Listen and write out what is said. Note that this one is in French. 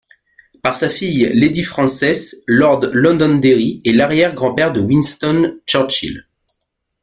Par sa fille Lady Frances, Lord Londonderry est l'arrière-grand-père de Winston Churchill.